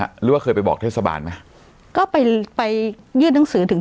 หรือว่าเคยไปบอกเทศบาลไหมก็ไปไปยื่นหนังสือถึง